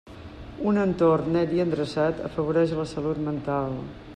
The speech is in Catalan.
Un entorn net i endreçat afavoreix la salut mental.